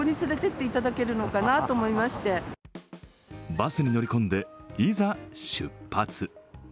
バスに乗り込んでいざ出発。